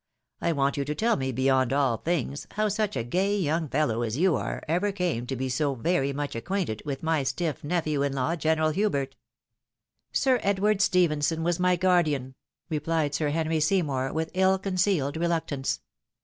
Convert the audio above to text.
I want you to tell me beyond all things, how such a gay yoimg fellow as you are, ever came to be so very much acquainted with my stiff nephew in law General Hubert?" " Sir Edward Stephenson was my guardian," replied Sir Henry Seymour, with iU concealed reluctance.